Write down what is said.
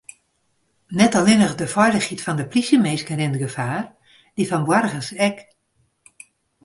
Net allinnich de feilichheid fan de plysjeminsken rint gefaar, dy fan boargers ek.